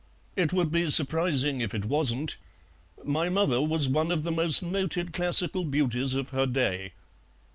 "It would be surprising if it wasn't. My mother was one of the most noted classical beauties of her day."